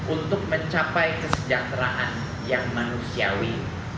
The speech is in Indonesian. untuk mencapai kesejahteraan yang manusiawi